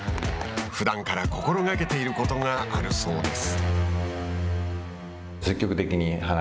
ふだんから心がけていることがあるそうです。